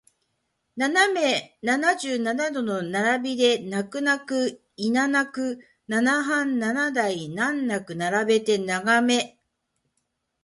斜め七十七度の並びで泣く泣くいななくナナハン七台難なく並べて長眺め